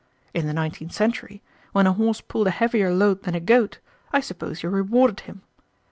In the nineteenth century, when a horse pulled a heavier load than a goat, I suppose you rewarded him.